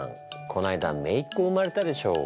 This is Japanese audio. この間めいっ子生まれたでしょ。